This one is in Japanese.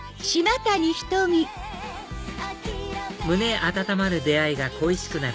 温まる出会いが恋しくなる